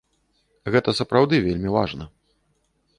Гэта сапраўды вельмі важна.